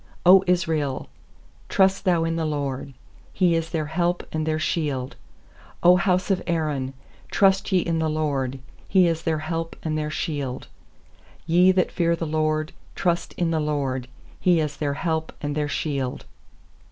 90 Israel, trust thou in the LORD! He is their help and their shield! 100 house of Aaron, trust ye in the LORD! He is their help and their shield! nYe that fear the LORD, trust in the LORD! He is their help and their shield.